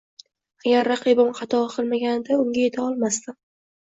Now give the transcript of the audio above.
Agar raqibim xato qilmaganida, unga yeta olmasdim